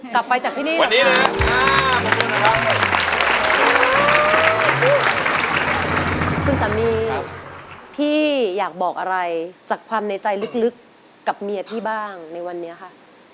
กลับไปจากที่นี่เหรอคะคุณสามีพี่อยากบอกอะไรจากความในใจลึกกับเมียพี่บ้างในวันนี้ค่ะ